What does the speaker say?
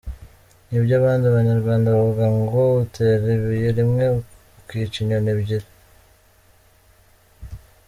Ni byabindi Abanyarwanda bavuga ngo utera ibuye rimwe ukica inyoni ebyiri.